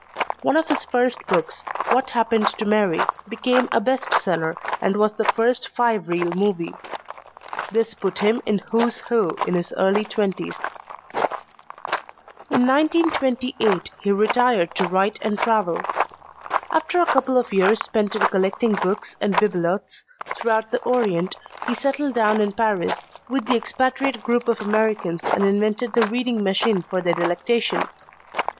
One of his first books, What Happened to Mary, became a best seller and was the first five reel movie. This put him in Who's Who in his early twenties. In 1928 he retired to write and travel. After a couple of years spent in collecting books and bibelots throughout the Orient, he settled down in Paris with the expatriate group of Americans and invented the Reading Machine for their delectation.